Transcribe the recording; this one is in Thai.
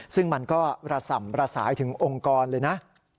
ซึ่งมันก็ระส่ำระสายถึงองค์กรเลยนะ